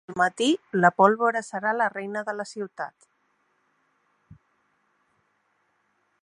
Al matí la pólvora serà la reina de la ciutat.